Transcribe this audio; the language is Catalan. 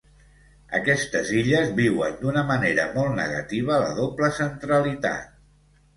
Aquestes illes viuen d’una manera molt negativa la doble centralitat.